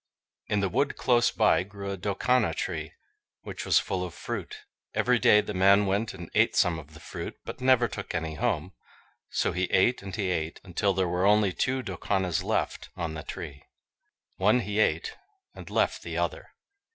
In the wood close by grew a Doukana Tree, which was full of fruit. Every day the man went and ate some of the fruit, but never took any home, so he ate and he ate, until there were only two Doukanas left on the Tree. One he ate, and left the other.